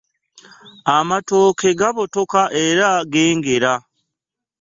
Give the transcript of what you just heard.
Amatooke gabotoka era gengera.